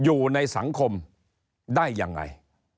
อยู่ในสังคมได้ยังไง